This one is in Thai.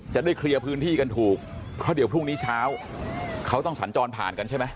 จะได้เคลียร์พื้นที่กันถูกเพราะเดี๋ยวพรุ่งนี้เช้าเขาต้องสัญจรผ่านกันใช่ไหม